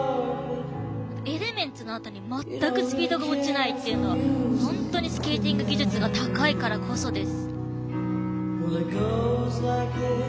エレメンツのあとに全くスピードが落ちないっていうのは本当にスケーティング技術が高いからこそです。